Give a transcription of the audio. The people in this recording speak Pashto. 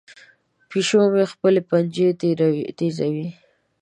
پیشو مې خپلې پنجې تیزوي.